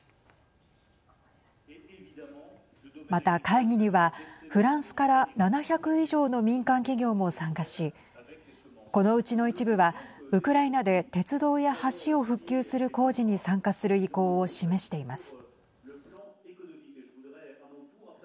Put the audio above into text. また、会議にはフランスから７００以上の民間企業も参加しこのうちの一部はウクライナで鉄道や橋を復旧する工事に参加する意向を示しています。